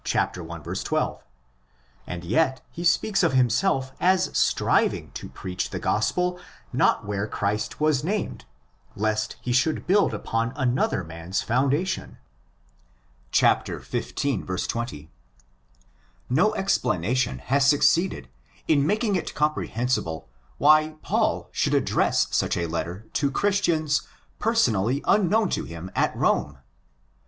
12): and yet he speaks of himself as striving to preach the Gospel not where Christ was named, lest he should build upon another man's foundation (xv. 20). No explanation has suc ceeded in making it comprehensible why Paul should address such a "letter" to Christians personally unknown to him at Rome.